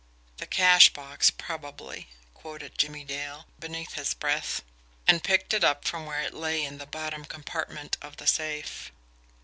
"The cash box, probably," quoted Jimmie Dale, beneath his breath and picked it up from where it lay in the bottom compartment of the safe.